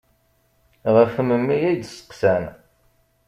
Ɣef memmi ay d-seqqsan.